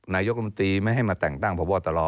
นายกรมตรีไม่ให้มาแต่งตั้งเพราะว่าตะลอ